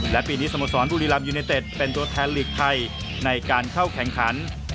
และปีนี้สโมสรบุรีรัมยูเนเต็ดเป็นตัวแทนหลีกไทยในการเข้าแข่งขัน